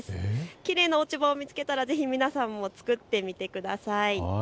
きれいな落ち葉を見つけたらぜひ皆さんも作ってみてください。